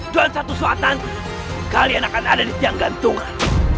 dan satu saat nanti kalian akan ada di tiang gantungan